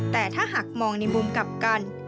แต่ถ้าหากมองในมุมกลับกัน